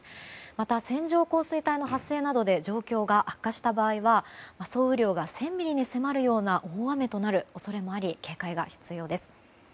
また、線状降水帯の発生などで状況が悪化した場合は総雨量が１０００ミリに迫るような大雨となる恐れもあり警戒が必要です。